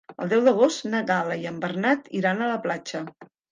El deu d'agost na Gal·la i en Bernat iran a la platja.